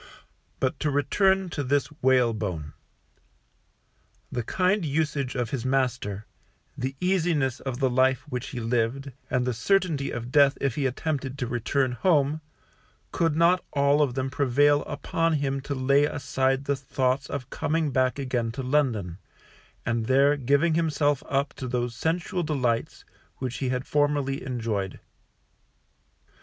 But to return to this Whalebone. The kind usage of his master, the easiness of the life which he lived, and the certainty of death if he attempted to return home, could not all of them prevail upon him to lay aside the thoughts of coming back again to London, and there giving himself up to those sensual delights which he had formerly enjoyed.